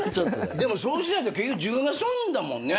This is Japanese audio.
でもそうしないと結局自分が損だもんね。